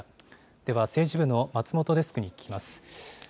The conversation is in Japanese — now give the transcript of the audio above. では政治部の松本デスクに聞きます。